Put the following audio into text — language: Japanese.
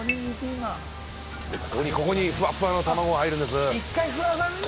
ここにふわふわの卵が入るんです。